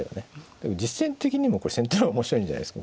でも実戦的にもこれ先手の方が面白いんじゃないですか。